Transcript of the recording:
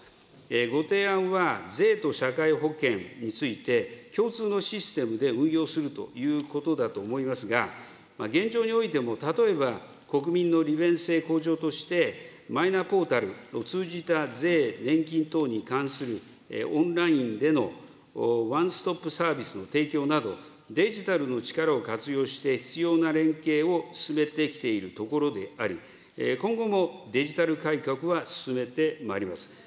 ご提案は、税と社会保険について、共通のシステムで運用するということだと思いますが、現状においても例えば、国民の利便性向上として、マイナポータルを通じた税、年金等に関するオンラインでのワンストップサービスの提供など、デジタルの力を活用して必要な連携を進めてきているところであり、今後もデジタル改革は進めてまいります。